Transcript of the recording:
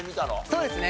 そうですね。